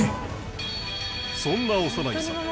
そんな小山内さん